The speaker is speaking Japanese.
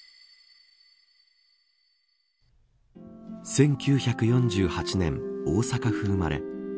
１９４８年、大阪府生まれ。